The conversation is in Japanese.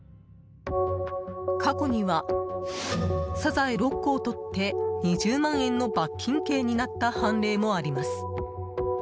過去にはサザエ６個をとって２０万円の罰金刑になった判例もあります。